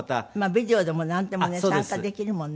ビデオでもなんでもね参加できるもんね。